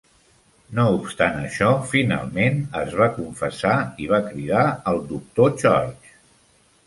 No obstant això, finalment es va confessar i va cridar al Doctor Church.